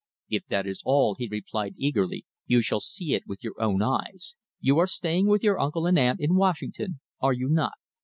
"If that is all," he replied eagerly, "you shall see it with your own eyes. You are staying with your uncle and aunt in Washington, are you not?